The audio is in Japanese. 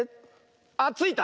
あっついた！